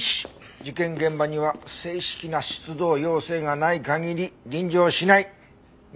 「１事件現場には正式な出動要請がない限り臨場しない」